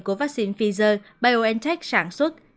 của vaccine pfizer biontech sản xuất